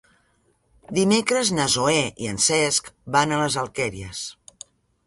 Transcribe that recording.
Dimecres na Zoè i en Cesc van a les Alqueries.